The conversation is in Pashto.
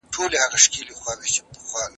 د بډایانو خدای د غریبانو له خدای سره توپیر لري؟